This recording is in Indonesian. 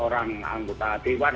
orang anggota dewan